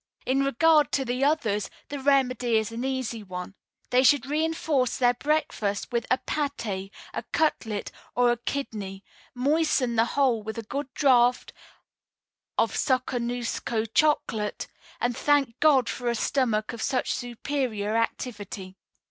"In regard to the others, the remedy is an easy one: they should reinforce their breakfast with a pâté, a cutlet, or a kidney, moisten the whole with a good draught of soconusco chocolate, and thank God for a stomach of such superior activity.